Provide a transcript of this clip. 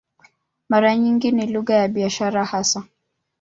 Mara nyingi ni lugha za biashara hasa.